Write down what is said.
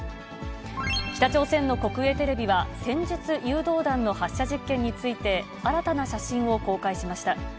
北朝鮮の国営テレビは、戦術誘導弾の発射実験について、新たな写真を公開しました。